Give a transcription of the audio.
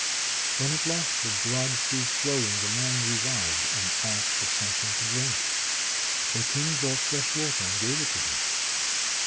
When at last the blood ceased flowing, the man revived and asked for something to drink. The King brought fresh water and gave it to him.